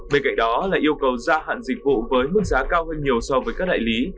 bên cạnh đó là yêu cầu gia hạn dịch vụ với mức giá cao hơn nhiều so với các đại lý